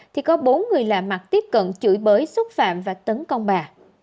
thì có bốn người lạ mặt tiếp cận chửi bới xúc phạm và tấn công bà